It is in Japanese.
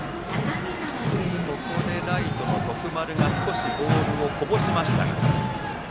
ライトの徳丸が少しボールをこぼしました。